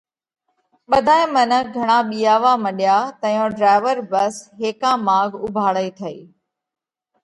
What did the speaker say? ٻڌائي منک گھڻا ٻِيئاوا مڏيا تئيون ڍرائيور ڀس هيڪا ماڳ اُوڀاڙئي هٺئِي۔